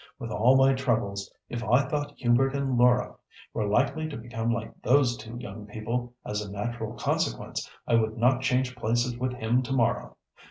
With all my troubles, if I thought Hubert and Laura were likely to become like those two young people as a natural consequence, I would not change places with him to morrow.